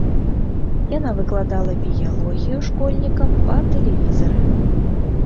Яна выкладала біялогію школьнікам па тэлевізары.